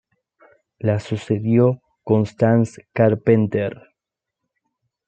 La sucedió Constance Carpenter.